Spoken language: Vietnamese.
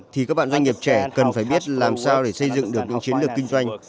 thì các bạn doanh nghiệp trẻ cần phải biết làm sao để xây dựng được những chiến lược kinh doanh